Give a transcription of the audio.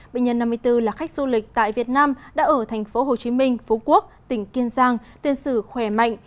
bệnh nhân năm mươi bốn là khách du lịch tại việt nam đã ở thành phố hồ chí minh phú quốc tỉnh kiên giang tiền sử khỏe mạnh